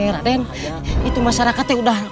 raden itu masyarakatnya udah